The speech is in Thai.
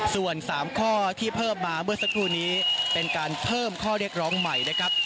ส่วน๓ข้อที่เพิ่มมาเมื่อสักครู่นี้เป็นการเพิ่มข้อเรียกร้องใหม่นะครับ